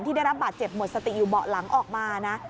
ได้รับบาดเจ็บหมดสติอยู่เบาะหลังออกมานะ